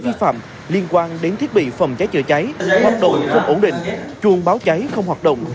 khi phạm liên quan đến thiết bị phòng cháy chữa cháy hoạt động không ổn định chuồng báo cháy không hoạt động